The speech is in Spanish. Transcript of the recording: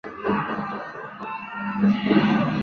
A pesar del título y la portada este es un álbum de estudio.